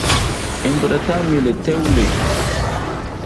I mbuɗatan mi le tewle, kumum !